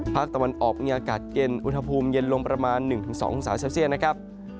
ภาคตะวันออบมีอากาศเย็นวนภูมิเย็นลงประมาณหนึ่งถึงสององศาเซลเซียตนะครับ